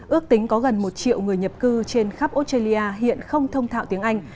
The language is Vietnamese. ước tính có gần một triệu người nhập cư trên khắp australia hiện không thông thạo tiếng anh